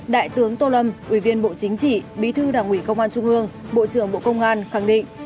đại tướng tô lâm ủy viên bộ chính trị bí thư đảng ủy công an trung ương bộ trưởng bộ công an khẳng định